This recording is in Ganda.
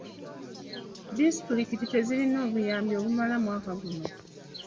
Disitulikiti tezirina buyambi bumala omwaka guno.